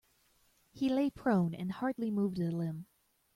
He lay prone and hardly moved a limb.